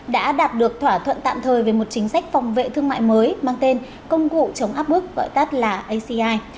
đã đạt được thỏa thuận tạm thời về một chính sách phòng vệ thương mại mới mang tên công cụ chống áp bức gọi tắt là aci